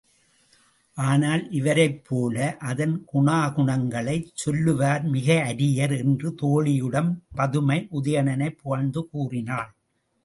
ஆனால் இவரைப்போல அதன் குணாகுணங்களைச் சொல்லுவார் மிக அரியர் என்று தோழியிடம் பதுமை உதயணனைப் புகழ்ந்து கூறினாள்.